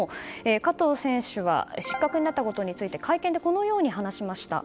加藤選手は失格になったことについて会見で、このように話しました。